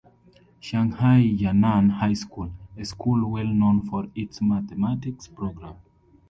Shanghai Yan'an High School, a school well known for its mathematics program.